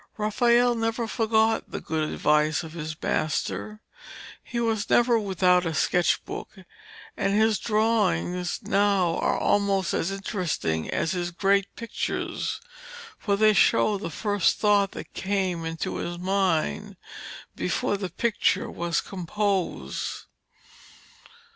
Raphael never forgot the good advice of his master. He was never without a sketch book, and his drawings now are almost as interesting as his great pictures, for they show the first thought that came into his mind, before the picture was composed.